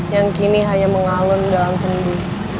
yang kini hanya mengalun dalam sendi